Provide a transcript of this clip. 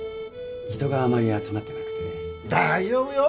人があまり集まってなくて。大丈夫よ！